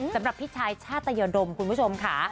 สำหรับพี่ชายชาตยดมคุณผู้ชมค่ะ